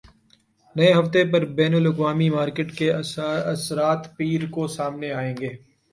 نئے ہفتے پر بین الاقوامی مارکیٹ کے اثرات پیر کو سامنے آئیں گے